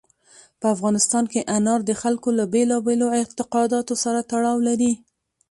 په افغانستان کې انار د خلکو له بېلابېلو اعتقاداتو سره تړاو لري.